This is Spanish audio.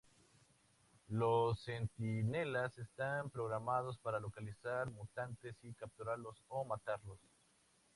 Los Centinelas están programados para localizar mutantes y capturarlos o matarlos.